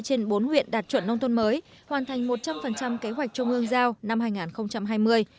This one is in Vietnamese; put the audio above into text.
trên bốn huyện đạt chuẩn nông thôn mới hoàn thành một trăm linh kế hoạch trung ương giao năm hai nghìn hai mươi